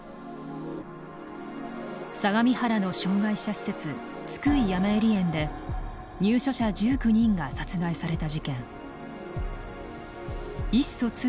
相模原の障害者施設津久井やまゆり園で入所者１９人が殺害された事件。